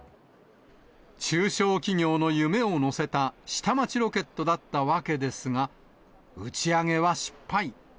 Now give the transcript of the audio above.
中小企業の夢を乗せた、下町ロケットだったわけですが、打ち上げは失敗。